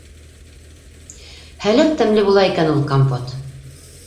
Һәләк тәмле була икән ул компот.